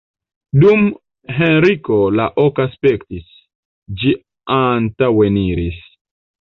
Dum Henriko la oka spektis, ĝi antaŭeniris.